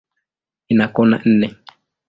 Ina kona nne.